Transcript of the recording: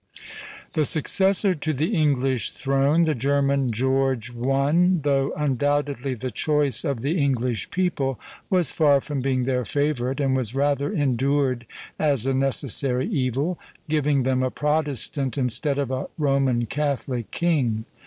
The successor to the English throne, the German George I., though undoubtedly the choice of the English people, was far from being their favorite, and was rather endured as a necessary evil, giving them a Protestant instead of a Roman Catholic king.